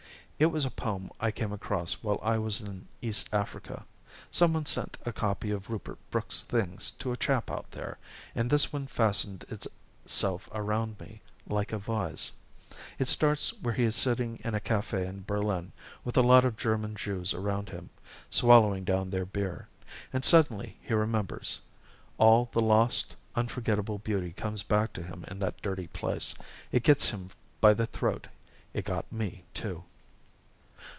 "It was a poem I came across while I was in East Africa; some one sent a copy of Rupert Brooke's things to a chap out there, and this one fastened itself around me like a vise. It starts where he's sitting in a cafe in Berlin with a lot of German Jews around him, swallowing down their beer; and suddenly he remembers. All the lost, unforgettable beauty comes back to him in that dirty place; it gets him by the throat. It got me, too.